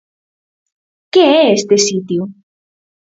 Que é este sitio?